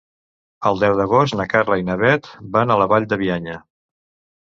El deu d'agost na Carla i na Bet van a la Vall de Bianya.